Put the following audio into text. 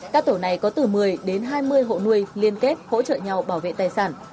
các tổ này có từ một mươi đến hai mươi hộ nuôi liên kết hỗ trợ nhau bảo vệ tài sản